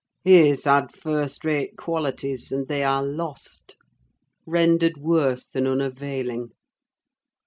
His had first rate qualities, and they are lost: rendered worse than unavailing.